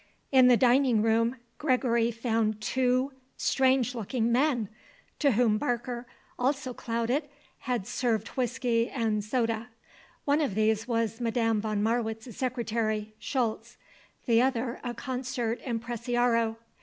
In the dining room, Gregory found two strange looking men, to whom Barker, also clouded, had served whisky and soda; one of these was Madame von Marwitz's secretary, Schultz; the other a concert impresario.